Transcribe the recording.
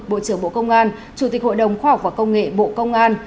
bộ trưởng bộ công an chủ tịch hội đồng khoa học và công nghệ bộ công an